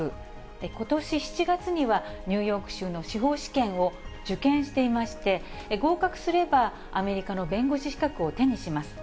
ことし７月には、ニューヨーク州の司法試験を受験していまして、合格すればアメリカの弁護士資格を手にします。